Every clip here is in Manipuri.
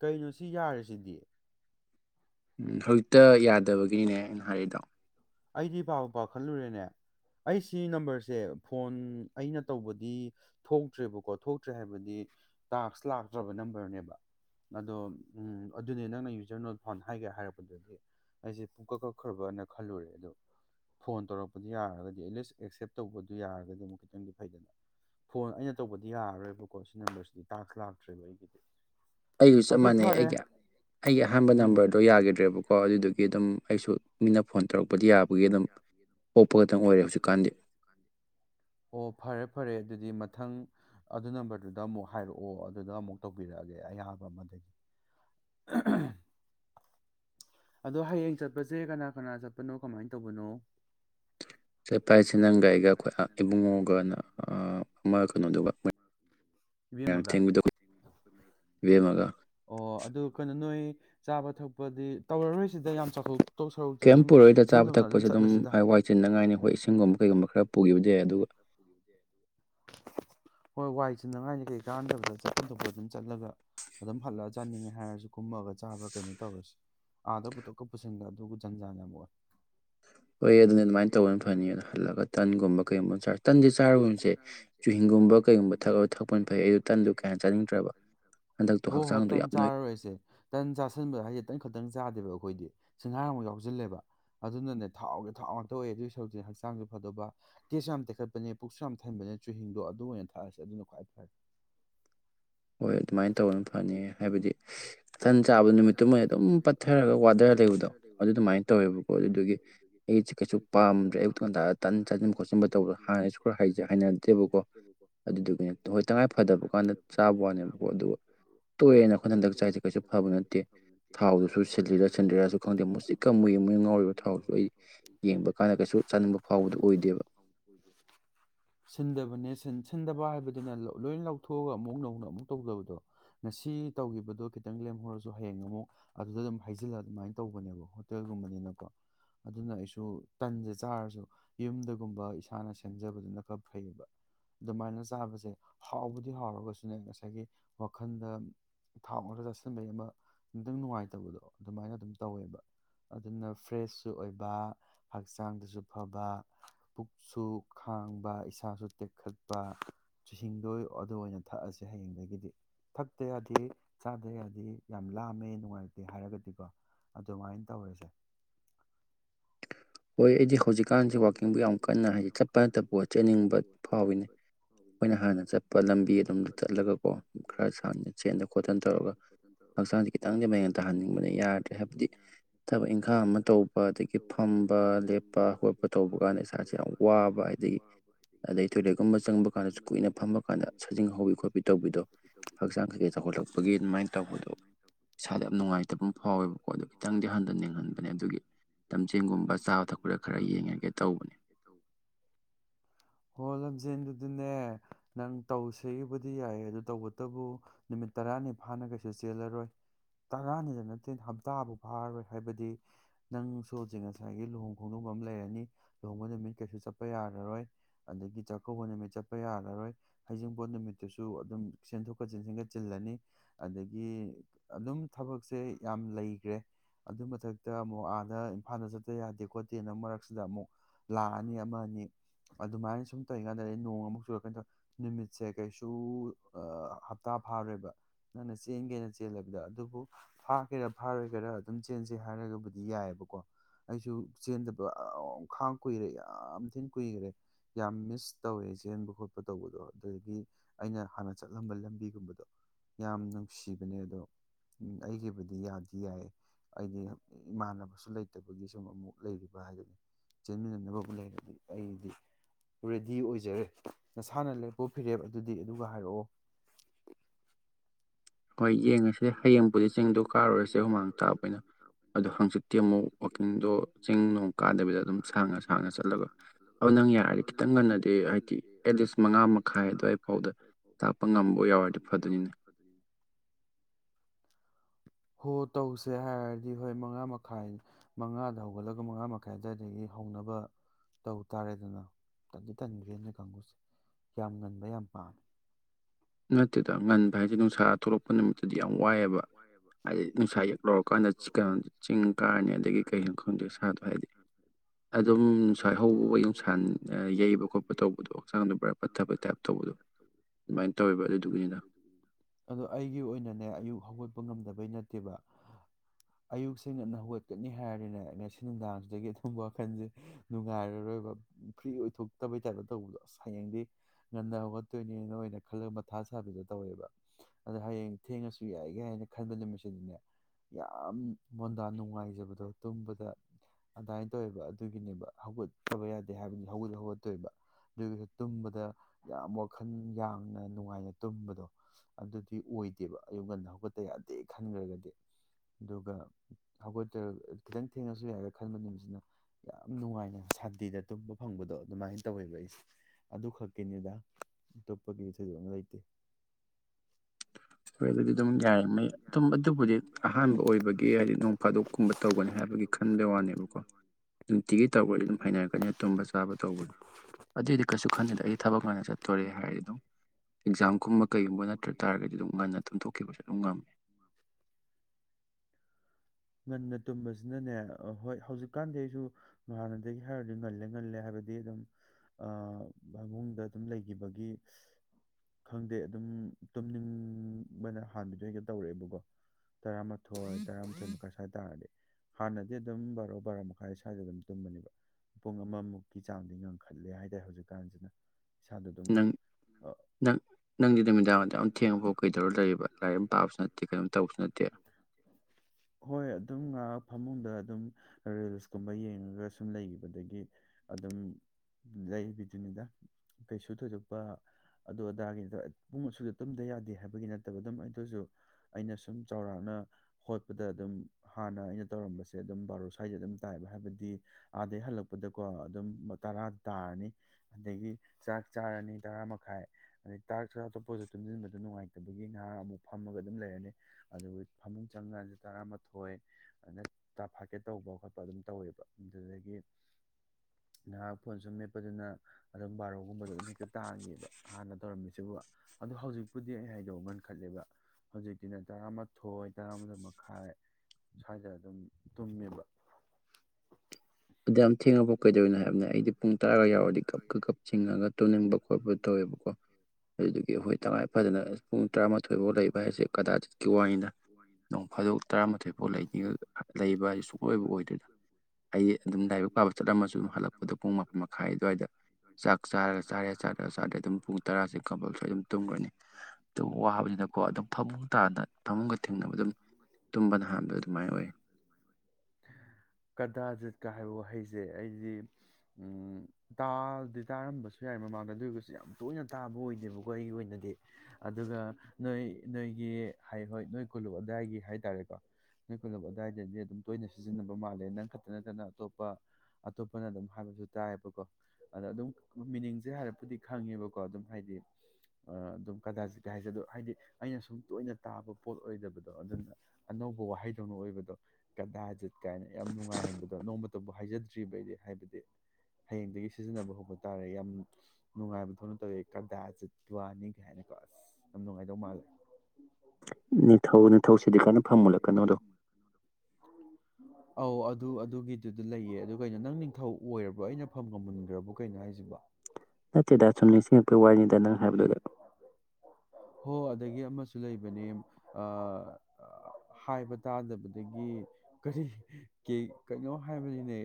ꯀꯩ ꯅꯅꯨꯡꯁꯤ ꯁꯤ ꯌꯥꯔꯦꯁꯤꯗꯤ ꯎꯝ ꯍ ꯇ ꯌꯥꯗꯕꯒꯤꯅꯦ ꯑꯩꯅ ꯍꯥꯏꯔꯛꯏꯗꯣ ꯑꯩꯗꯤ ꯄꯥꯕ ꯄꯥ ꯈꯜꯂꯨꯔꯦꯅꯦ ꯑꯩ ꯁꯤ ꯅꯝꯕꯔꯁꯦ ꯐꯣꯟ ꯑꯩꯅ ꯇꯧꯕꯗꯤ ꯊꯣꯛꯇ꯭ꯔꯦꯕꯀꯣ ꯊꯣꯛꯇ꯭ꯔꯦ ꯍꯥꯏꯕꯗꯤ ꯇꯥꯛꯁ ꯂꯥꯛꯇ꯭ꯔꯕ ꯅꯝꯕꯔꯅꯦꯕ ꯑꯗꯣ ꯑꯗꯨꯅꯦ ꯅꯪꯅ ꯌꯨꯖꯔ ꯅꯣꯠ ꯐꯣꯟ ꯍꯥꯏꯒꯦ ꯍꯥꯏꯔꯛꯄꯗꯨꯗꯤ ꯑꯩꯁꯦ ꯄꯨꯀꯛ ꯀꯛꯈ꯭ꯔꯕ꯭ꯔꯅ ꯈꯜꯂꯨꯔꯦ ꯑꯗꯣ ꯐꯣꯟ ꯇꯧꯔꯛꯄꯗꯨ ꯌꯥꯔꯒꯗꯤ ꯑꯦꯠꯂꯤꯁ ꯑꯦꯛꯁꯦꯞ ꯇꯧꯕꯗꯨ ꯌꯥꯔꯒꯗꯤ ꯑꯃꯨꯛ ꯈꯤꯇꯪꯗꯤ ꯐꯩꯗꯅ ꯐꯣꯟ ꯑꯩꯅ ꯇꯧꯕꯗꯤ ꯌꯥꯔꯔꯣꯏꯕꯀꯣ ꯁꯤ ꯅꯝꯕꯔꯁꯤꯗꯤ ꯇꯥꯛꯁ ꯂꯥꯛꯇ꯭ꯔꯦꯕ ꯑꯩꯒꯤꯗꯤ ꯑꯩꯁꯨ ꯆꯞ ꯑꯗꯨ ꯃꯥꯟꯅꯩ ꯐꯔꯦ ꯑꯩꯒꯤ ꯑꯩꯒꯤ ꯑꯍꯥꯟꯕ ꯎꯝ ꯅꯝꯕꯔꯗꯣ ꯌꯥꯈꯤꯗ꯭ꯔꯦꯕꯀꯣ ꯑꯗꯨꯗꯨꯒꯤ ꯑꯗꯨꯝ ꯑꯩꯁꯨ ꯃꯤꯅ ꯐꯣꯟ ꯇꯧꯔꯛꯄꯗꯤ ꯌꯥꯕ ꯑꯣ ꯐꯔꯦ ꯐꯔꯦ ꯑꯗꯨꯗꯤ ꯃꯊꯪ ꯑꯗꯨ ꯅꯝꯕꯔꯗꯨꯗ ꯑꯃꯨꯛ ꯍꯥꯏꯔꯛꯑꯣ ꯑꯗꯨꯗ ꯑꯃꯨꯛ ꯇꯧꯕꯤꯔꯛꯑꯒꯦ ꯑꯌꯥꯝꯕ ꯑꯃꯗꯒꯤ ꯑꯗꯣ ꯍꯌꯦꯡ ꯆꯠꯄꯁꯦ ꯀꯅꯥ ꯀꯅꯥ ꯆꯠꯄꯅꯣ ꯀꯃꯥꯏ ꯇꯧꯕꯅꯣ ꯆ ꯐꯥꯏꯁꯦ ꯑꯃ ꯀꯩꯅꯣꯗꯨꯒ ꯊꯦꯡꯕꯗ ꯏꯕꯦꯝꯃꯒ ꯑꯣ ꯑꯗꯨ ꯀꯩꯅꯣ ꯅꯣꯏ ꯆꯥꯕ ꯊꯛꯄꯗꯤ ꯇꯧꯔꯔꯣꯏꯁꯤꯗ ꯌꯥꯝ ꯆꯥꯎꯈꯧꯕ ꯀꯩꯝ ꯄꯨꯔꯛꯏꯗ ꯆꯥꯕ ꯊꯛꯄꯁꯨ ꯑꯗꯨꯝ ꯋꯥꯏ ꯆꯤꯗꯉꯥꯏꯅꯤ ꯍꯣꯏ ꯏꯁꯤꯡꯒꯨꯝꯕ ꯀꯩꯒꯨꯝꯕ ꯈꯔ ꯄꯨꯈꯤꯕꯁ ꯌꯥ ꯑꯗꯨꯒ ꯍꯣꯏ ꯋꯥꯏ ꯆꯅꯉꯥꯏꯅꯤ ꯀꯩ ꯀꯥꯟꯗꯕꯗ ꯆꯠꯄꯊꯄ ꯑꯗꯨꯝ ꯆꯠꯂꯒ ꯑꯗꯨꯝ ꯍꯠꯂꯛꯑ ꯆꯥꯅꯤꯡꯉꯦ ꯍꯥꯏꯔꯁꯨ ꯀꯨꯝꯃꯛꯑꯒ ꯆꯥꯕ꯭ꯔꯥ ꯀꯩꯅꯣ ꯇꯧꯔꯁꯤ ꯑꯗ ꯄꯨꯊ ꯀ ꯄꯨꯁꯤꯗ ꯖꯪꯖꯅꯕꯣ ꯍꯣꯏ ꯑꯗꯨꯅ ꯑꯗꯨꯃꯥꯏꯅ ꯇꯧꯕꯅ ꯐꯅꯤꯅ ꯍꯜꯂꯒ ꯇꯟꯒꯨꯝꯕ ꯀꯩꯒꯨꯝꯕ ꯆꯔ ꯇꯟꯁꯦ ꯆꯥꯔꯨꯁꯦ ꯆꯨꯍꯤꯤꯡꯒꯨꯝꯕ ꯆꯥꯅꯤꯡꯗ꯭ꯔꯕ ꯍꯟꯗꯛꯇꯣ ꯍꯣꯏ ꯍꯣꯏ ꯍꯛꯆꯥꯡꯗꯣ ꯇꯟ ꯌꯥꯝ ꯅꯣꯏ ꯆꯥꯔꯔꯣꯏꯁꯦ ꯇꯟ ꯆꯥꯥꯁꯟꯕꯗ ꯍꯥꯏꯐꯦꯠꯇꯪ ꯈꯈꯤꯇꯪ ꯆꯥꯗꯦꯕ ꯑꯩꯈꯣꯏꯗꯤ ꯁꯤꯡꯍꯔ ꯑꯃꯨꯛ ꯌꯥꯎꯁꯤꯜꯂꯦꯕ ꯑꯗꯨꯅꯅꯦ ꯊꯥꯎꯒꯤ ꯊꯥꯎ ꯉꯥꯛꯇ ꯑꯣꯏ ꯑꯗꯨꯒꯤ ꯁꯔꯨꯛꯇ ꯍꯛꯆꯥꯡꯁꯨ ꯐꯗꯕ ꯇꯦꯁꯁꯨ ꯌꯥꯝ ꯇꯦꯛꯈꯠꯄꯅꯦ ꯄꯨꯛꯁꯨ ꯌꯥꯝ ꯊꯩꯕꯅꯦ ꯆꯨꯍꯤꯤꯡꯗꯣ ꯑꯗꯨ ꯑꯣꯏꯅ ꯊꯥꯔꯁꯤ ꯑꯗꯨꯅ ꯈ꯭ꯋꯥꯏ ꯐꯔꯦ ꯍꯣꯏ ꯑꯗꯨꯃꯥꯏꯅ ꯇꯧꯕꯅ ꯐꯅꯤ ꯍꯥꯏꯕꯗꯤ ꯇꯟ ꯆꯥꯕ ꯅꯨꯃꯤꯠꯇꯨꯃꯩ ꯑꯗꯨꯝ ꯄꯠꯊꯔꯒ ꯋꯥꯗꯔ ꯂꯩꯕꯗꯣ ꯑꯗꯨ ꯑꯗꯨꯃꯥꯏꯅ ꯇꯧꯋꯦꯕꯀꯣ ꯑꯗꯨꯗꯨꯒꯤ ꯑꯩꯁꯤ ꯀꯩꯁꯨ ꯄꯥꯝꯗ꯭ꯔꯦ ꯑꯌꯨꯛꯛꯇꯪ ꯉꯟꯇꯥ ꯇꯟ ꯆꯥꯁꯤꯟ ꯈꯣꯠꯆꯤꯟꯕ ꯇꯧꯕꯗꯣ ꯍꯥꯟꯅ ꯈ ꯍꯥꯏꯅꯗꯦꯕꯀꯣ ꯑꯗꯨꯗꯨꯒꯤꯅ ꯍꯣꯏ ꯇꯉꯥꯏ ꯐꯗꯕ ꯀꯥꯟꯗ ꯆꯥꯕ ꯋꯥꯅꯦꯕꯀꯣ ꯑꯗꯨꯒ ꯇꯣꯛꯑꯦꯅ ꯑꯩꯈ ꯍꯟꯗꯛ ꯆꯥꯏꯁꯦ ꯀꯩꯁꯨ ꯐꯕꯅꯦ ꯈꯪꯗꯦ ꯃꯨꯁꯤꯛꯀ ꯃꯨꯏ ꯃꯨꯏ ꯉꯥꯎꯔꯤꯕ ꯊꯥꯎꯁꯨ ꯑꯩ ꯌꯦꯡꯕ ꯀꯥꯟꯗ ꯀꯩꯁꯨ ꯆꯥꯅꯤꯡꯕ ꯐꯥꯎꯕꯗꯨ ꯑꯣꯏꯗꯦꯕ ꯁꯤꯟꯗꯕꯅꯦ ꯁꯤꯟ ꯁꯤꯟꯗꯕ ꯍꯥꯏꯕꯗꯨꯅ ꯂꯣꯏꯅ ꯂꯧꯊꯣꯛꯑꯒ ꯑꯃꯨꯛ ꯅꯧꯅ ꯑꯃꯨꯛ ꯇꯧꯗꯕꯗꯣ ꯉꯁꯤ ꯇꯧꯈꯤꯕꯗꯣ ꯈꯤꯇꯪ ꯂꯦꯝꯍꯧ ꯁꯨ ꯍꯌꯦꯡ ꯑꯃꯨꯛ ꯑꯗꯨꯗ ꯑꯗꯨꯝ ꯍꯩꯖꯤꯜꯂ ꯑꯗꯨꯃꯥꯏꯅ ꯇꯧꯕꯅꯦꯕ ꯍꯣꯇꯦꯜꯒꯨꯝꯕꯅꯤꯅꯀꯣ ꯑꯗꯨꯅ ꯑꯩꯁꯨ ꯇꯟꯁꯦ ꯆꯥꯔꯁꯨ ꯌꯨꯝꯗꯒꯨꯝꯕ ꯏꯁꯥꯅ ꯁꯦꯝꯖꯕꯗꯨꯅ ꯈꯔ ꯐꯩꯌꯦꯕ ꯑꯗꯨꯃꯥꯏꯅ ꯆꯥꯕꯁꯦ ꯍꯥꯎꯕꯨꯗꯤ ꯍꯥꯎꯔꯒꯁꯨꯅꯦ ꯉꯁꯥꯏꯒꯤ ꯋꯥꯈꯜꯗ ꯊꯥꯎ ꯈꯛꯇ ꯆꯥꯁꯤꯟꯕꯩ ꯑꯃ ꯇꯪ ꯅꯨꯡꯉꯥꯏꯇꯕꯗꯣ ꯑꯗꯨꯃꯥꯏꯅ ꯑꯗꯨꯝ ꯇꯧꯋꯦꯕ ꯑꯗꯨꯅ ꯐ꯭ꯔꯦꯁꯁꯨ ꯑꯣꯏꯕ ꯍꯛꯆꯥꯡꯗꯁꯨ ꯐꯕ ꯄꯨꯛꯁꯨ ꯈꯥꯡꯕ ꯏꯁꯥꯁꯨ ꯇꯦꯛꯈꯠꯄ ꯆ ꯍꯤꯡꯗꯣꯏ ꯑꯗꯨ ꯑꯣꯏꯅ ꯊꯛꯑꯁꯦ ꯍꯌꯦꯡꯗꯒꯤꯗꯤ ꯊꯛꯇ ꯌꯥꯗꯦ ꯆꯥꯗ ꯌꯥꯗꯦ ꯌꯥꯝ ꯂꯥꯝꯃꯦ ꯅꯨꯡꯉꯥꯏꯇꯦ ꯍꯥꯏꯔꯒꯗꯤꯀꯣ ꯑꯗꯨꯃꯥꯏꯅ ꯇꯧꯔꯁꯦ ꯍꯣꯏ ꯑꯩꯗꯤ ꯍꯧꯖꯤꯛꯀꯥꯟꯁꯦ ꯋꯥꯛꯀꯤꯡꯕꯨ ꯌꯥꯝ ꯀꯟꯅ ꯍꯥꯏꯗꯤ ꯆꯠꯄ ꯅꯠꯇꯕ ꯆꯦꯟꯅꯤꯡꯕ ꯐꯥꯎꯏꯅꯦ ꯑꯩꯈꯣꯏꯅ ꯍꯥꯟꯅ ꯆꯠꯄ ꯂꯝꯕꯤ ꯑꯗꯨꯣꯝꯗ ꯆꯠꯂꯒꯀꯣ ꯈꯔ ꯁꯥꯡꯅ ꯆꯦꯟꯗ ꯈꯣꯠꯇꯅ ꯇꯧꯔꯒ ꯍꯛꯆꯥꯡꯁꯦ ꯈꯤꯇꯪꯗꯤ ꯃꯌꯥꯡ ꯇꯥꯍꯟꯅꯤꯡꯕꯅ ꯌꯥꯗ꯭ꯔꯦ ꯍꯥꯏꯕꯗꯤ ꯊꯕꯛ ꯏꯪꯈꯥꯡ ꯑꯃ ꯇꯧꯕ ꯑꯗꯒꯤ ꯐꯝꯕ ꯂꯦꯞꯄ ꯆꯠꯄ ꯈꯣꯠꯄ ꯇꯧꯕ ꯀꯥꯟꯗ ꯏꯁꯥꯁꯦ ꯌꯥꯝ ꯋꯥꯕ ꯑꯗꯒꯤ ꯑꯗꯩ ꯇꯣꯏꯂꯦꯠꯀꯨꯝꯕ ꯆꯪꯕ ꯀꯥꯟꯗꯁꯨ ꯀꯨꯏꯅ ꯐꯝꯕ ꯀꯥꯟꯗ ꯁꯥꯖꯤꯡ ꯍꯧꯕꯤ ꯈꯣꯠꯄꯤ ꯇꯧꯕꯤꯗꯣ ꯍꯛꯆꯥꯡ ꯀꯩꯀꯩ ꯆꯥꯎꯧꯈꯠꯂꯛꯄꯒꯤ ꯑꯗꯨꯃꯥꯏꯅ ꯇꯧꯕꯗꯣ ꯏꯁꯥꯗ ꯌꯥꯝ ꯅꯨꯡꯉꯥꯏꯇꯕ ꯑꯃ ꯐꯥꯎꯋꯦꯕꯀꯣ ꯑꯗꯨ ꯈꯤꯇꯪꯗꯤ ꯍꯟꯊ ꯅꯤꯡꯍꯟꯕꯅꯦ ꯑꯗꯨꯒꯤ ꯇꯝꯖꯤꯡꯒꯨꯝꯕ ꯆꯥꯕ ꯊꯛꯄ ꯈꯔ ꯈꯔ ꯌꯦꯡꯉꯒꯦ ꯇꯧꯕꯅꯤ꯫ ꯑꯗꯨꯅꯦ ꯅꯪ ꯇꯧꯁꯤꯕꯨꯗꯤ ꯌꯥꯏꯌꯦ ꯑꯗꯨ ꯇꯧꯒꯇꯕꯨ ꯅꯨꯃꯤꯠ ꯇꯔꯥꯅꯤ ꯐꯥꯅ ꯀꯩꯁꯨ ꯆꯦꯜꯂꯔꯣꯏ ꯇꯔꯥꯅꯤꯗ ꯅꯠꯇꯦ ꯍꯞꯇꯥꯕꯨ ꯐꯥꯔꯔꯣꯏ ꯍꯥꯏꯕꯗꯤ ꯅꯪꯖꯨ ꯖꯦ ꯉꯁꯥꯏꯒꯤ ꯂꯨꯍꯣꯡꯕ ꯈꯨꯡꯗꯣꯡꯕ ꯑꯃ ꯂꯩꯔꯅꯤ ꯂꯨꯍꯣꯡꯕ ꯅꯨꯃꯤꯠ ꯀꯩꯁꯨ ꯆꯠꯄ ꯌꯥꯔꯔꯣꯏ ꯑꯗꯒꯤ ꯆꯥꯛꯀꯧꯕ ꯅꯨꯃꯤꯠ ꯆꯠꯄ ꯌꯥꯔꯔꯣꯏ ꯍꯩꯖꯤꯡꯕꯣꯠ ꯅꯨꯃꯤꯠꯇꯨꯁꯨ ꯑꯗꯨꯝ ꯆꯦꯟꯊꯣꯛꯀ ꯆꯦꯟꯁꯤꯟꯒ ꯆꯤꯜꯂꯅꯤ ꯑꯗꯒꯤ ꯑꯗꯨꯝ ꯊꯕꯛꯁꯦ ꯌꯥꯝ ꯂꯩꯒ꯭ꯔꯦ ꯑꯗꯨ ꯃꯊꯛꯇ ꯑꯃꯨꯛ ꯑꯥꯗ ꯏꯝꯐꯥꯜꯗ ꯆꯠꯇ ꯌꯥꯗꯦ ꯈꯣꯠ ꯇꯦꯟ ꯑꯃ ꯃꯔꯛꯁꯤꯗ ꯑꯃꯨꯛ ꯂꯥꯛꯑꯅꯤ ꯑꯃ ꯑꯅꯤ ꯑꯗꯨꯃꯥꯏꯅ ꯁꯨꯝ ꯇꯧꯔꯤꯉꯩꯗ ꯅꯣꯡ ꯑꯃꯨꯛ ꯆꯨꯔꯛꯀꯅꯤ ꯑꯗꯣ ꯅꯨꯃꯤꯠꯁꯦ ꯀꯩꯁꯨ ꯍꯞꯇꯥ ꯐꯥꯔꯣꯏꯕ ꯅꯪꯅ ꯆꯦꯟꯒꯦꯅ ꯆꯦꯜꯂꯦꯕꯗ ꯑꯗꯨꯕꯨ ꯐꯥꯒꯦꯔꯥ ꯐꯥꯔꯣꯏꯒꯦꯔꯥ ꯑꯗꯨꯝ ꯆꯦꯟꯖꯦ ꯍꯥꯏꯔꯒꯕꯨꯗꯤ ꯌꯥꯏꯑꯕꯀꯣ ꯑꯩꯁꯨ ꯆꯦꯟꯗꯕ ꯑꯥ ꯈꯥꯡ ꯀꯨꯏꯔꯦ ꯌꯥꯝ ꯊꯤꯅ ꯀꯨꯏꯒꯔꯦ ꯌꯥꯝ ꯃꯤꯁ ꯇꯧꯋꯦ ꯆꯦꯟꯕ ꯈꯣꯠꯄ ꯇꯧꯕꯗꯣ ꯑꯗꯨꯗꯒꯤ ꯑꯩꯅ ꯍꯥꯟꯅ ꯆꯠꯂꯝꯕ ꯂꯝꯕꯤꯒꯨꯝꯕꯗꯣ ꯌꯥꯝ ꯅꯨꯡꯁꯤꯕꯅꯦ ꯑꯗꯣ ꯑꯩꯒꯤꯕꯨꯗꯤ ꯌꯥꯗꯤ ꯌꯥꯏꯌꯦ ꯑꯩꯗꯤ ꯏꯃꯥꯟꯅꯕꯁꯨ ꯂꯩꯇꯕꯒꯤ ꯁꯨꯝ ꯑꯃꯨꯛ ꯂꯩꯔꯤꯕ ꯍꯥꯏꯗꯨꯅꯤ ꯆꯦꯟꯃꯤꯟꯅꯅꯕꯕꯨ ꯂꯩꯔꯗꯤ ꯑꯩꯗꯤ ꯔꯦꯗꯤ ꯑꯣꯏꯖꯔꯦ ꯅꯁꯥꯅ ꯂꯦꯞꯄꯨ ꯐꯤꯔꯦꯞ ꯑꯗꯨꯗꯤ ꯑꯗꯨꯒ ꯍꯥꯏꯔꯛꯑꯣ꯫ ꯍꯣꯏ ꯌꯦꯡꯉꯁꯤ ꯍꯌꯦꯡꯕꯨꯗꯤ ꯆꯤꯡꯗꯣ ꯀꯥꯔꯨꯔꯁꯦ ꯍꯨꯃꯥꯡ ꯇꯥꯕ ꯑꯣꯏꯅ ꯑꯗꯣ ꯍꯪꯆꯤꯠꯇꯤ ꯑꯃꯨꯛ ꯋꯥꯛꯀꯤꯡꯗꯣ ꯆꯤꯡ ꯅꯨꯡ ꯀꯥꯗꯕꯤꯗ ꯑꯗꯨꯝ ꯁꯥꯡꯅ ꯁꯥꯡꯅ ꯆꯠꯂꯒ ꯑꯗꯣ ꯅꯪ ꯌꯥꯔꯗꯤ ꯈꯤꯇꯪ ꯉꯟꯅꯗꯤ ꯍꯥꯏꯗꯤ ꯑꯦꯠꯂꯤꯁ ꯃꯉꯥ ꯃꯈꯥꯏ ꯑꯗꯨꯋꯥꯏꯐꯥꯎꯗ ꯇꯥꯛꯄ ꯉꯝꯕ ꯌꯥꯎꯔꯗꯤ ꯐꯗꯣꯏꯅꯤꯅꯦ꯫ ꯍꯣ ꯇꯧꯁꯦ ꯍꯥꯏꯔꯗꯤ ꯍꯣꯏ ꯃꯉꯥ ꯃꯈꯥꯏ ꯃꯉꯥꯗ ꯍꯧꯒꯠꯂꯒ ꯃꯉꯥ ꯃꯈꯥꯏ ꯑꯗꯨꯋꯥꯏꯗꯒꯤ ꯍꯧꯅꯕ ꯇꯧ ꯇꯥꯔꯦꯗꯅ ꯇꯟꯗꯤ ꯇꯟꯒ꯭ꯔꯦ ꯅꯣꯏ ꯀꯥꯡꯕꯨꯁꯦ ꯌꯥꯝ ꯉꯟꯕ ꯌꯥꯝ ꯄꯥꯝꯃꯦ꯫ ꯅꯠꯇꯦꯗ ꯉꯟꯕ ꯍꯥꯏꯖꯦ ꯅꯨꯡꯁꯥ ꯊꯣꯛꯂꯛꯄ ꯅꯨꯃꯤꯠꯇꯨꯗꯤ ꯌꯥꯝ ꯋꯥꯏꯑꯦꯕ ꯍꯥꯏꯗꯤ ꯅꯨꯡꯁꯥ ꯌꯦꯛ ꯂꯧꯔꯀꯥꯟꯗ ꯀꯩꯅꯣ ꯆꯤꯡ ꯀꯥꯔꯅꯤ ꯑꯗꯒꯤ ꯀꯩꯅꯣ ꯈꯪꯗꯦ ꯏꯁꯥꯥꯗꯣ ꯍꯥꯏꯗꯤ ꯑꯗꯨꯝ ꯅꯨꯡꯁꯥ ꯍꯧꯕ ꯅꯨꯡꯁꯥ ꯌꯩꯕ ꯈꯣꯠꯄ ꯇꯧꯕꯗꯣ ꯍꯛꯆꯥꯡꯗꯣ ꯄꯨꯔ ꯄꯠꯊꯕꯩ ꯇꯥꯏꯞ ꯇꯧꯕꯗꯣ ꯑꯗꯨꯃꯥꯏꯅ ꯇꯧꯋꯦꯕ ꯑꯩ ꯑꯗꯣ ꯑꯩꯒꯤ ꯑꯣꯏꯅꯅꯦ ꯑꯌꯨꯛ ꯍꯧꯒꯠꯄ ꯉꯝꯗꯕ ꯕꯩ ꯅꯠꯇꯦꯕ ꯑꯌꯨꯛꯁꯦ ꯉꯟꯅ ꯍꯧꯒꯠꯀꯅꯤ ꯍꯥꯏꯔꯗꯤꯅꯦ ꯉꯁꯤ ꯅꯨꯡꯗꯥꯡꯖꯤꯗꯒꯤ ꯑꯗꯨꯝ ꯋꯥꯈꯜꯖꯦ ꯅꯨꯡꯉꯥꯏꯔꯔꯣꯏꯕ ꯐ꯭ꯔꯤ ꯑꯣꯏꯊꯣꯛꯇꯕꯩ ꯇꯥꯏꯞꯇ ꯇꯧꯕꯗꯣ ꯑꯁ ꯍꯌꯦꯡꯗꯤ ꯉꯟꯅ ꯍꯧꯒꯠꯇꯣꯏꯅꯦ ꯅꯣꯏꯅ ꯈꯜꯂꯒ ꯃꯊꯥ ꯁꯥꯕꯤꯗꯣ ꯇꯧꯋꯦꯕ ꯑꯗꯣ ꯍꯌꯦꯡ ꯊꯦꯡꯉꯁꯨ ꯌꯥꯏꯒꯥꯏꯅ ꯈꯟꯕ ꯅꯨꯃꯤꯠꯁꯤꯗꯅꯦ ꯌꯥꯝ ꯃꯣꯟꯗꯥ ꯅꯨꯡꯉꯥꯏꯖꯕꯗꯣ ꯇꯨꯝꯕꯗ ꯑꯗꯨꯃꯥꯏꯅ ꯇꯧꯋꯦꯕ ꯑꯗꯨꯒꯤꯅꯦꯕ ꯍꯧꯒꯠꯇꯕ ꯌꯥꯗꯦ ꯍꯥꯏꯕꯅꯤ ꯍꯧꯒꯠ ꯍꯧꯒꯠꯇꯣꯏꯕ ꯑꯗꯨꯒꯤꯁꯨ ꯇꯨꯝꯕꯗ ꯌꯥꯝ ꯋꯥꯈꯜ ꯌꯥꯡꯅ ꯅꯨꯡꯉꯥꯏꯅ ꯇꯨꯝꯕꯗꯣ ꯑꯗꯨꯗꯤ ꯑꯣꯏꯗꯦꯕ ꯑꯌꯨꯛ ꯉꯟꯗ ꯍꯧꯒꯠꯇ ꯌꯥꯗꯦ ꯈꯟꯒ꯭ꯔꯒꯗꯤ ꯑꯗꯨꯒ ꯍꯧꯒꯠꯇ ꯈꯤꯇꯪ ꯊꯦꯡꯉꯖꯨ ꯌꯥꯏꯅ ꯈꯟꯕ ꯅꯨꯃꯤꯠꯁꯤꯅ ꯌꯥꯝ ꯅꯨꯡꯉꯥꯏꯅ ꯁꯥꯟꯇꯤꯗ ꯇꯨꯝꯕ ꯐꯪꯕꯗꯣ ꯑꯗꯨꯃꯥꯏꯅ ꯇꯧꯋꯦꯕ ꯑꯩꯁꯦ ꯑꯗꯨ ꯈꯛꯀꯤꯅꯤꯗ ꯑꯇꯣꯞꯄꯒꯤ ꯂꯩꯇꯦ ꯍꯣꯏ ꯑꯗꯨꯗꯤ ꯑꯗꯨꯝ ꯌꯥꯔꯤꯉꯩ ꯑꯗꯨꯝ ꯇꯨꯝ ꯑꯗꯨꯕꯨꯗꯤ ꯑꯗꯨꯕꯨꯗꯤ ꯑꯍꯥꯟꯕ ꯑꯣꯏꯕꯒꯤ ꯑꯍꯥꯟꯕ ꯍꯥꯏꯗꯤ ꯅꯣꯡ ꯑꯣꯏꯕꯒꯤ ꯑꯗꯨꯝ ꯐꯥꯗꯣꯛꯀꯨꯝꯕ ꯇꯧꯒꯅꯤ ꯈꯔ ꯇꯧꯕꯅꯦ ꯍꯥꯏꯕꯒꯤ ꯇꯧꯕ ꯌꯥꯗꯦ ꯃꯇꯝ ꯈꯟꯕꯩ ꯋꯥꯅꯦꯕꯀꯣ ꯅꯨꯡꯇꯤꯒꯤ ꯇꯧꯒ꯭ꯔꯗꯤ ꯑꯗꯨꯝ ꯍꯩꯅꯔꯛꯀꯅꯤ ꯇꯨꯝꯕ ꯆꯥꯕ ꯇꯧꯕꯅꯦ ꯑꯗꯨꯏꯗꯤ ꯀꯩꯁꯨ ꯈꯟꯗꯦꯗ ꯑꯗꯨꯗꯤ ꯑꯩ ꯀꯩꯁꯨ ꯊꯕꯛ ꯉꯥꯟꯅ ꯀꯥꯏꯗꯦ ꯆꯠꯇꯣꯑꯦ ꯍꯥꯏꯗꯤ ꯑꯗꯨꯝ ꯑꯦꯛꯖꯥꯝꯒꯨꯝꯕ ꯀꯩꯒꯨꯝꯕ ꯅꯠꯇ꯭ꯔ ꯇꯥꯔꯒꯗꯤ ꯑꯗꯨꯝ ꯉꯟꯅ ꯇꯨꯝꯊꯣꯛ ꯈꯤꯕꯁꯨ ꯉꯝꯃꯦ꯫ ꯉꯟꯅ ꯇꯨꯝꯕꯁꯤꯅꯅꯦ ꯍꯣꯏ ꯍꯧꯖꯤꯛꯀꯥꯟꯗꯤ ꯑꯩꯖꯨ ꯍꯥꯟꯅꯗꯒꯤ ꯍꯥꯏꯔꯣꯗꯤ ꯉꯜꯂꯦ ꯉꯜꯂꯦ ꯍꯥꯏꯕꯗꯤ ꯑꯗꯨꯝ ꯑ ꯐꯃꯨꯡꯗ ꯑꯗꯨꯝ ꯂꯩꯒꯤꯕꯒꯤ ꯈꯪꯗꯦ ꯑꯗꯨꯝ ꯇꯨꯝꯅꯤꯡ ꯃꯣꯏꯅ ꯍꯥꯟꯕꯤꯗꯣ ꯍꯦꯛꯇ ꯇꯧꯔꯛꯑꯦꯕꯀꯣ ꯇꯔꯥꯃꯥꯊꯣꯏ ꯇꯔꯥꯃꯥꯊꯣꯏ ꯃꯈꯥꯏ ꯁ꯭ꯋꯥꯏ ꯇꯥꯔꯗꯤ ꯍꯥꯟꯅꯗꯤ ꯑꯗꯨꯝ ꯕꯥꯔꯣ ꯕꯥꯔꯣ ꯃꯈꯥꯏ ꯁ꯭ꯋꯥꯏꯗ ꯑꯗꯨꯝ ꯇꯨꯝꯕꯅꯦꯕ ꯄꯨꯡ ꯑꯃꯃꯨꯛꯀꯤ ꯆꯥꯡꯗꯤ ꯉꯟꯈꯠꯂꯦ ꯍꯥꯏꯇꯥꯔꯦ ꯍꯧꯖꯤꯛꯀꯥꯟꯖꯤꯅ꯫ ꯅꯪ ꯅꯪ ꯅꯪꯗꯤ ꯅꯨꯃꯤꯗꯥꯡ ꯑꯗꯨꯌꯥꯝ ꯊꯦꯡꯉꯐꯥꯎ ꯀꯩ ꯗꯧꯔ ꯂꯩꯔꯤꯕ ꯂꯥꯏꯔꯤꯛ ꯑꯝ ꯄꯥꯕꯁꯨ ꯅꯠꯇꯦ ꯀꯔꯤꯝ ꯇꯧꯕꯁꯨ ꯅꯠꯇꯦ꯫ ꯍꯣꯏ ꯑꯗꯨꯝ ꯉꯥꯏꯍꯥꯛ ꯐꯃꯨꯡꯗ ꯑꯗꯨꯝ ꯔꯤꯜꯁꯀꯨꯝꯕ ꯌꯦꯡꯉꯒ ꯁꯨꯝ ꯂꯩꯒꯤꯕꯗꯒꯤ ꯑꯗꯨꯝ ꯂꯩꯕꯤꯗꯨꯅꯤꯗ ꯀꯩꯁꯨ ꯊꯣꯏꯗꯣꯛꯄ ꯑꯗꯨ ꯑꯗꯥꯒꯤꯗ ꯄꯨꯡ ꯑꯁꯨꯗ ꯇꯨꯝꯗ ꯌꯥꯗꯦ ꯍꯥꯏꯕ ꯍꯥꯏꯕꯒꯤ ꯅꯠꯇꯕ ꯑꯗꯨꯝ ꯑꯗꯨꯏꯖꯨ ꯑꯩꯅ ꯁꯨꯝ ꯆꯥꯎꯔꯥꯛꯅ ꯍꯣꯠꯄꯗ ꯑꯗꯨꯝ ꯍꯥꯟꯅ ꯑꯩꯅ ꯇꯧꯔꯝꯕꯁꯦ ꯑꯗꯨꯝ ꯕꯥꯔꯣ ꯁ꯭ꯋꯥꯏꯗ ꯑꯗꯨꯝ ꯇꯥꯏꯕ ꯍꯥꯏꯕꯗꯤ ꯑꯥꯗꯩ ꯍꯜꯂꯛꯄꯗꯀꯣ ꯑꯗꯨꯝ ꯇꯔꯥ ꯇꯥꯔꯅꯤ ꯑꯗꯒꯤ ꯆꯥꯛ ꯆꯥꯔꯅꯤ ꯇꯔꯥ ꯃꯈꯥꯏ ꯇ ꯆꯥꯛꯆꯥ ꯇꯣꯛꯄꯖꯨ ꯇꯨꯝꯖꯤꯟꯕꯗꯣ ꯅꯨꯡꯉꯥꯏꯇꯦ꯫ ꯑꯗꯨꯗꯒꯤ ꯉꯍꯥꯛ ꯑꯃꯨꯛ ꯐꯝꯃꯒ ꯑꯗꯨꯝ ꯂꯩꯔꯅꯤ ꯑꯗꯨꯒ ꯐꯃꯨꯡ ꯆꯪꯀꯥꯟꯗ ꯇꯔꯥꯃꯥꯊꯣꯏ ꯑꯗꯨ ꯇꯥꯐꯥꯠꯀꯦ ꯇꯧꯕ ꯈꯣꯠꯄ ꯑꯗꯨꯝ ꯇꯧꯋꯦꯕ ꯑꯗꯨꯗꯒꯤ ꯉꯍꯥꯛ ꯐꯣꯟ ꯁꯨꯝ ꯃꯦꯠꯄꯗꯨꯅ ꯑꯗꯨꯝ ꯕꯥꯔꯣꯒꯨꯝꯕꯗ ꯑꯗꯨꯝ ꯍꯦꯛꯇ ꯇꯥꯒꯤꯕ ꯍꯥꯟꯅ ꯇꯧꯔꯝꯃꯤꯁꯤꯕꯨꯕ ꯑꯗꯣ ꯍꯧꯖꯤꯛꯄꯨꯗꯤ ꯑꯩ ꯍꯥꯏ ꯌꯧ ꯉꯟꯈꯠꯂꯦꯕ ꯍꯧꯖꯤꯛꯇꯤꯅ ꯇꯔꯥꯃꯥꯊꯣꯏ ꯇꯔꯥꯃꯊꯣꯏ ꯃꯈꯥꯏ ꯁ꯭ꯋꯥꯏꯗ ꯑꯗꯨꯝ ꯇꯨꯝꯃꯦꯕ꯫ ꯑꯗꯨꯌꯥꯝ ꯊꯦꯡꯉꯕꯥꯎ ꯀꯩꯗꯧꯔꯤꯅꯣ ꯍꯥꯏꯕꯅꯤ ꯑꯩꯗꯤ ꯄꯨꯡ ꯇꯔꯥꯋꯥꯏ ꯌꯥꯎꯔꯗꯤ ꯀꯞ ꯈꯞ ꯈꯞ ꯆꯤꯡꯉꯒ ꯇꯨꯅꯤꯡꯕ ꯈꯣꯠꯄ ꯇꯧꯋꯦꯕꯀꯣ ꯑꯗꯨꯗꯨꯒꯤ ꯑꯩꯈꯣꯏ ꯇꯉꯥꯏ ꯐꯗꯅ ꯄꯨꯡ ꯇꯔꯥꯃꯥꯊꯣꯏꯐꯥꯎ ꯂꯩꯕ ꯍꯥꯏꯖꯦ ꯀꯗꯥ ꯖꯤꯠꯀꯤ ꯋꯥꯅꯤꯗ ꯅꯣꯡ ꯐꯥꯗꯣꯛ ꯇꯔꯥꯃꯥꯊꯣꯏꯐꯥꯎ ꯂꯩ ꯂꯩꯕ ꯍꯥꯏꯖꯦ ꯁꯨꯛꯑꯣꯏꯕꯨ ꯑꯣꯏꯗꯦꯗ ꯑꯩ ꯑꯗꯨꯝ ꯂꯥꯏꯔꯤꯛ ꯄꯥꯕ ꯆꯠꯂꯝꯃꯁꯨ ꯑꯗꯨꯝ ꯍꯜꯂꯛꯄꯗ ꯄꯨꯡ ꯃꯥꯄꯟ ꯃꯈꯥꯏ ꯑꯗꯨꯋꯥꯏꯗ ꯆꯥꯛ ꯆꯥꯔꯒ ꯆꯥꯔꯦ ꯆꯥꯗꯒ ꯆꯥꯗꯔꯦ ꯑꯗꯨꯝ ꯄꯨꯡ ꯇꯔꯥꯁꯦ ꯀꯝꯄꯜꯁꯔꯤ ꯑꯗꯨꯝ ꯇꯨꯝꯒ꯭ꯔꯅꯤ꯫ ꯑꯗꯨ ꯋꯥꯕꯅꯤꯅꯀꯣ ꯑꯗꯨꯝ ꯐꯃꯨꯡ ꯇꯥꯕꯗ ꯐꯃꯨꯡꯒ ꯊꯦꯡꯅꯕꯗ ꯑꯗꯨꯝ ꯇꯨꯝꯕꯅ ꯍꯥꯟꯕꯗꯣ ꯑꯗꯨꯃꯥꯏꯅ ꯑꯣꯏ꯫ ꯀ ꯍꯥꯏꯕ ꯋꯥꯍꯩꯖꯦ ꯑꯩꯗꯤ ꯎꯝ ꯇꯥꯗꯤ ꯇꯥꯔꯝꯕꯖꯨ ꯌꯥꯏ ꯃꯃꯥꯡꯗ ꯑꯗꯨ ꯑꯣꯏꯔꯒꯖꯨ ꯌꯥꯝ ꯇꯣꯏꯅ ꯇꯥꯕ ꯑꯣꯏꯗꯦꯕꯀꯣ ꯑꯩꯒꯤ ꯑꯣꯏꯅꯗꯤ ꯑꯗꯨꯒ ꯅꯣꯏ ꯅꯣꯏꯒꯤ ꯍꯥꯏ ꯍꯣꯏ ꯅꯣꯏ ꯀꯣꯂꯨꯞ ꯑꯗꯥꯏꯒꯤ ꯍꯥꯏꯇꯥꯔꯦꯀꯣ ꯅꯣꯏ ꯀꯣꯂꯨꯞ ꯑꯗꯨꯋꯥꯏꯗꯗꯤ ꯑꯗꯨꯝ ꯇꯣꯏꯅ ꯁꯤꯖꯤꯟꯅꯕ ꯃꯥꯜꯂꯦ ꯅꯪ ꯈꯛꯇ ꯅꯠꯇꯅ ꯑꯇꯣꯞꯄ ꯑꯇꯣꯞꯄꯅ ꯑꯗꯨꯝ ꯍꯥꯏꯕꯖꯨ ꯇꯥꯏꯕꯀꯣ ꯑꯗ ꯑꯗꯨꯝ ꯃꯤꯅꯤꯡꯖꯦ ꯍꯥꯏꯔꯞꯄꯨꯗꯤ ꯈꯪꯉꯦꯕꯀꯣ ꯑꯗꯨꯝ ꯍꯥꯏꯗꯤ ꯑ ꯑꯗꯨꯝ ꯀꯗꯥꯖꯤꯠ ꯍꯥꯏꯖꯦ ꯑꯗꯣ ꯍꯥꯏꯗꯤ ꯑꯩꯅ ꯁꯨꯝ ꯇꯣꯏꯅ ꯇꯥꯕ ꯄꯣꯠ ꯑꯣꯏꯗꯕꯗꯣ ꯑꯗꯨꯅ ꯑꯅꯧꯕ ꯋꯥꯍꯩꯗꯧꯅ ꯑꯣꯏꯕꯗꯣ ꯀꯗꯥꯖꯤꯠ ꯀꯥꯏꯅ ꯌꯥꯝ ꯅꯨꯡꯉꯥꯏꯍꯟꯕꯗꯣ ꯅꯣꯡꯃꯇꯕꯨ ꯍꯥꯏꯖꯗ꯭ꯔꯤꯕ ꯑꯩꯗꯤ ꯍꯥꯏꯕꯗꯤ ꯍꯌꯦꯡꯗꯒꯤ ꯁꯤꯖꯤꯟꯅꯕ ꯍꯧꯕ ꯇꯥꯔꯦ ꯌꯥꯝ ꯅꯨꯡꯉꯥꯏꯕꯗꯧꯅ ꯇꯧꯋꯦ ꯀꯗꯥꯖꯤꯠꯀꯤ ꯋꯥꯅꯤ ꯒꯥꯏꯅꯀꯣ ꯑꯁ ꯌꯥꯝ ꯅꯨꯡꯉꯥꯏꯗꯧ ꯃꯥꯜꯂꯦ꯫ [unintelligible] ꯅꯤꯡꯊꯧ ꯅꯤꯡꯊꯧꯁꯤꯗꯤ ꯀꯟꯅ ꯐꯝ ꯃꯨꯜꯂꯛꯀꯅꯣꯗꯣ꯫ ꯑꯧ ꯑꯗꯨ ꯑꯗꯨꯒꯤꯗꯨꯗꯤ ꯂꯩꯌꯦ ꯑꯗꯨ ꯀꯩꯅꯣ ꯅꯪ ꯅꯤꯡꯊꯧ ꯑꯣꯏꯔꯕ꯭ꯔꯣ ꯑꯩꯅ ꯐꯝ ꯒ ꯃꯨꯟꯒ꯭ꯔꯕꯣ ꯀꯩꯅꯣ ꯍꯥꯏꯖꯤꯕꯣ꯫ ꯅꯠꯇꯦꯗ ꯁꯨꯝ ꯅꯤꯡꯁꯤꯡꯉꯛꯄꯩ ꯋꯥꯔꯤꯅꯤꯗ ꯅꯪ ꯍꯥꯏꯕꯗꯨꯗ ꯍꯣꯏ ꯑꯗꯒꯤ ꯑꯃꯁꯨ ꯂꯩꯕꯅꯤ ꯑ ꯍꯥꯏꯕ ꯇꯥꯗꯕꯗꯒꯤ ꯀꯔꯤ ꯀꯩꯅꯣ ꯍꯥꯏꯕꯅꯤꯅꯦ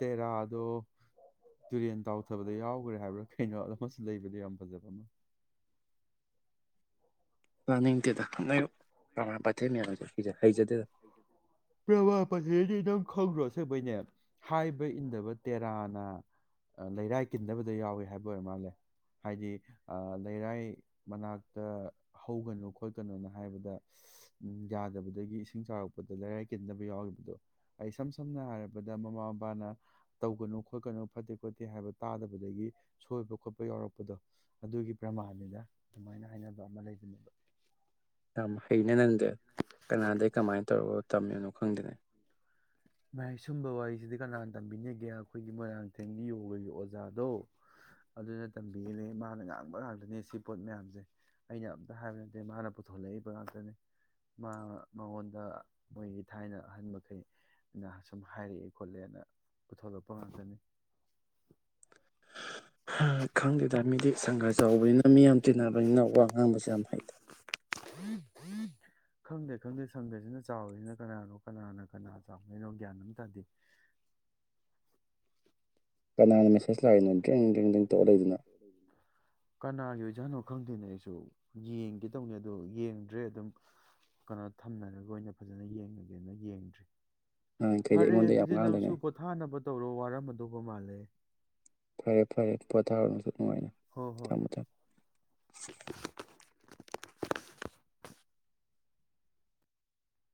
ꯇꯦꯔꯥꯗꯣ ꯇꯨꯔꯦꯟ ꯇꯥꯎꯊꯕꯗ ꯌꯥꯎꯈ꯭ꯔꯦ ꯍꯥꯏꯕ꯭ꯔꯥ ꯀꯩꯅꯣꯗ ꯑꯃꯁꯨ ꯂꯩꯕꯅꯤ ꯌꯥꯝ ꯐꯖꯕ ꯑꯃ ꯇꯥꯅꯤꯡꯗꯦꯗ ꯈꯪꯅꯔꯣ ꯄ꯭ꯔꯃꯥꯟ ꯄꯥꯟꯊꯩ ꯃꯌꯥꯝ ꯍꯩꯖꯗꯦꯗ ꯄ꯭ꯔꯃꯥꯟ ꯄꯥꯟꯊꯩ ꯍꯥꯏꯁꯤ ꯅꯪ ꯈꯪꯗ꯭ꯔꯣ ꯑꯁꯦꯡꯕꯩꯅꯦ ꯍꯥꯏꯕ ꯏꯟꯗꯕ ꯇꯦꯔꯥꯅ ꯂꯩꯔꯥꯏ ꯀꯤꯟꯗꯕꯗ ꯌꯥꯎꯏꯤ ꯍꯥꯏꯕ ꯑꯣꯏꯔ ꯃꯥꯜꯂꯦ ꯍꯥꯏꯗꯤ ꯂꯩꯔꯥꯏ ꯃꯅꯥꯛꯇ ꯍꯧꯒꯅꯨ ꯈꯣꯠꯀꯅꯣꯅ ꯍꯥꯏꯕꯗ ꯌꯥꯗꯕꯗꯒꯤ ꯏꯁꯤꯡ ꯆꯥꯎꯔꯛꯄꯗ ꯂꯩꯔꯥꯏ ꯀꯤꯟꯕꯗ ꯌꯥꯎꯔꯤꯕꯗꯣ ꯑꯩ ꯏꯁꯝ ꯁꯝꯅ ꯍꯥꯏꯔꯕꯗ ꯃꯃꯥ ꯃꯄꯥꯅ ꯇꯧꯒꯅꯨ ꯈꯣꯠꯀꯅꯨ ꯐꯠꯇꯦ ꯈꯣꯠꯇꯦ ꯍꯥꯏꯕ ꯇꯥꯗꯕꯗꯒꯤ ꯁꯣꯏꯕ ꯈꯣꯠꯄ ꯌꯥꯎꯔꯛꯄꯗꯣ ꯑꯗꯨꯒꯤ ꯄ꯭ꯔꯃꯥꯟꯅꯤꯅ ꯑꯗꯨꯃꯥꯏꯅ ꯍꯥꯏꯅꯕ ꯑꯃ ꯂꯩꯕꯅꯦꯕ ꯌꯥꯝ ꯍꯩꯅ ꯅꯪꯗꯦ ꯀꯅꯥꯗꯒꯤꯩ ꯀꯃꯥꯏꯅ ꯇꯧꯔꯣ ꯇꯝꯃꯤꯅꯣ ꯈꯪꯗꯦꯅꯦ ꯚꯥꯏ ꯁꯨꯝꯕ ꯋꯥꯔꯤꯁꯤꯗꯤ ꯀꯅꯥꯅ ꯇꯝꯕꯤꯅꯤꯒꯦ ꯑꯩꯈꯣꯏꯒꯤ ꯃꯣꯏꯔꯥꯡꯊꯦꯝꯒꯤ ꯌꯣꯒꯒꯤ ꯑꯣꯖꯥꯗꯣ ꯑꯗꯨꯅ ꯇꯝꯕꯤꯔꯤꯅꯦ ꯃꯥꯅ ꯉꯥꯡꯕ ꯉꯥꯛꯇꯅꯦ ꯁꯤ ꯄꯣꯠ ꯃꯌꯥꯝꯁꯦ ꯑꯩꯅ ꯑꯝꯇ ꯍꯥꯏꯕ ꯅꯠꯇꯦ ꯃꯥꯅ ꯄꯨꯊꯣꯂꯛꯏꯕ ꯉꯥꯛꯇꯅꯦ ꯃꯥ ꯃꯉꯣꯟꯗ ꯃꯣꯏꯒꯤ ꯊꯥꯏꯅ ꯑꯍꯟ ꯃꯈꯩ ꯁꯨꯝ ꯍꯥꯏꯔꯛꯑꯦ ꯈꯣꯠꯂꯦꯅ ꯄꯨꯊꯣꯔꯛꯄ ꯉꯥꯛꯇꯅꯤ ꯈꯪꯗꯦ ꯃꯤꯗꯤ ꯁꯪꯒ ꯆꯥꯎꯕꯅꯤꯅ ꯃꯤꯌꯥꯝ ꯇꯤꯟꯅꯕꯅꯤꯅ ꯋꯥ ꯉꯥꯡꯕꯁꯨ ꯌꯥꯝ ꯍꯩꯗ ꯈꯪꯗꯦ ꯈꯪꯗꯦ ꯁꯪꯒꯁꯤꯅ ꯆꯥꯎꯔꯤꯁꯤꯅ ꯀꯅꯥꯅꯣ ꯀꯅꯥꯅ ꯀꯅꯥ ꯆꯥꯎꯅꯩꯅꯣ ꯒ꯭ꯌꯥꯟ ꯑꯃꯝ ꯇꯥꯗꯦ ꯀꯅꯥꯅ ꯃꯦꯁꯦꯖ ꯂꯥꯛꯏꯅꯣ ꯗ꯭ꯔꯦꯡ ꯗ꯭ꯔꯦꯡ ꯗ꯭ꯔꯦꯡ ꯇꯧꯔꯥ ꯂꯩꯗꯨꯅ ꯀꯅꯥꯒꯤ ꯑꯣꯏꯖꯥꯅꯣ ꯈꯪꯗꯦꯅꯦ ꯑꯩꯁꯨ ꯌꯦꯡꯒꯦ ꯇꯧꯅꯤ ꯑꯗꯣ ꯌꯦꯡꯗ꯭ꯔꯦ ꯑꯗꯨꯝ ꯀꯩꯅꯣ ꯊꯝꯅꯔꯒ ꯑꯣꯏꯅ ꯐꯖꯅ ꯌꯦꯡꯒꯦꯅ ꯌꯦꯡꯗ꯭ꯔꯤ ꯅꯍꯥꯟꯈꯩꯗꯤ ꯐꯔꯦ ꯑꯩꯉꯣꯟꯗ ꯌꯥꯝ ꯑꯗꯨꯗꯤ ꯅꯪꯁꯨ ꯉꯥꯡꯗꯅꯦ ꯄꯣꯊꯥꯅꯕ ꯇꯧꯔꯣ ꯋꯥꯔꯝꯃꯗꯧꯕ ꯃꯥꯜꯂꯦ [inaudible] ꯐꯔꯦ ꯐꯔꯦ ꯄꯣꯊꯔꯣ ꯅꯪꯁꯨ ꯅꯨꯡꯉꯥꯏꯅ ꯍꯣꯏ ꯍꯣꯏ ꯊꯝꯃꯣ ꯊꯝꯃꯣ